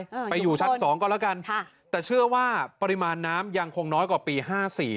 อ่าไปอยู่ชั้นสองก็แล้วกันค่ะแต่เชื่อว่าปริมาณน้ำยังคงน้อยกว่าปีห้าสี่